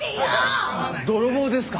泥棒ですか？